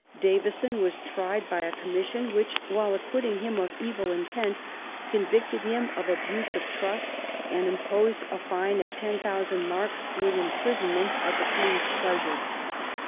Davison was tried by a commission, which, while acquitting him of evil intent, convicted him of abuse of trust, and imposed a fine of ten thousand marks, with imprisonment at the Queen's pleasure.